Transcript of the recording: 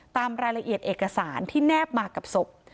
ตามรายละเอียดเอกสารที่แนบมากับศพ